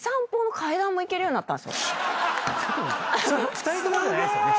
２人ともじゃないですよね。